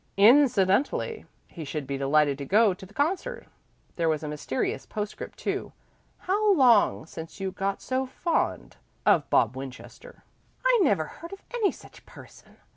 "Incidentally" he should be delighted to go to the concert. There was a mysterious postscript too: "How long since you got so fond of Bob Winchester?" "I never heard of any such person.